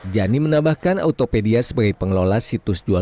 jani menambahkan autopedia sebagai pengelola situs jualan